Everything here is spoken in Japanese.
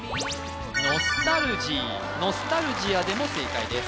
ノスタルジーノスタルジアでも正解です